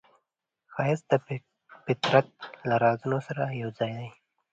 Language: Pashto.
ښایست د فطرت له رازونو سره یوځای وي